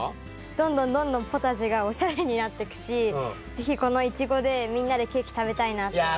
どんどんどんどんポタジェがおしゃれになってくし是非このイチゴでみんなでケーキ食べたいなって思いました。